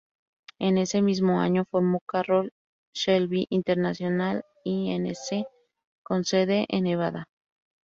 En ese mismo año, formó Carroll Shelby International, Inc., con sede en Nevada.